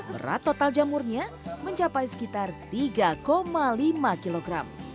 berat total jamurnya mencapai sekitar tiga lima kg